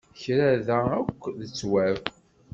Kra da akk d ttwab.